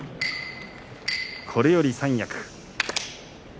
これより三役。